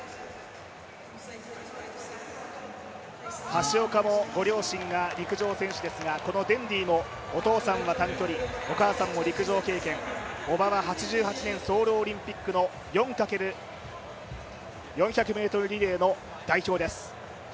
橋岡もご両親が陸上選手ですが、このデンディーもお父さんは短距離、お母さんも陸上経験おばは８８年ソウルオリンピックの４×４００ｍリレーの代表です。